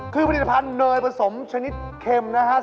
คือผลิตภัณฑ์เนยผสมชนิดเข็มนะครับ